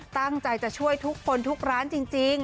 ตั้งใจจะช่วยทุกคนทุกร้านจริง